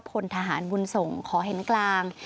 พลทหารบุญส่งขอเห็นกลาง